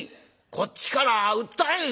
こっちから訴えるよ」。